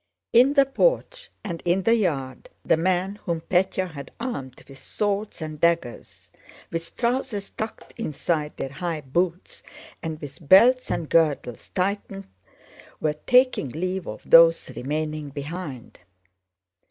In the porch and in the yard the men whom Pétya had armed with swords and daggers, with trousers tucked inside their high boots and with belts and girdles tightened, were taking leave of those remaining behind.